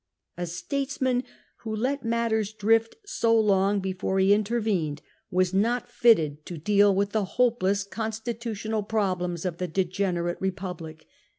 A statesman who let matters drift so long before he intervened was not one fitted to 2/8 POMPEY deal with the hopeless constitutional problems of the degenerate Eepublic.